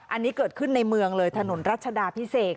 อันนี้เกิดขึ้นในเมืองเลยถนนรัชดาพิเศษ